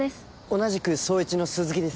同じく捜一の鈴木です。